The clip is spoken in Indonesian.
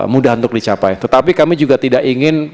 mudah untuk dicapai tetapi kami juga tidak ingin